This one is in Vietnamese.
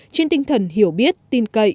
trên tinh thần hiểu biết tin cậy